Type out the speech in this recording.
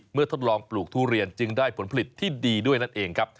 ทดลองปลูกทุเรียนจึงได้ผลผลิตที่ดีด้วยนั่นเองครับ